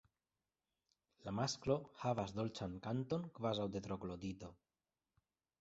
La masklo havas dolĉan kanton kvazaŭ de Troglodito.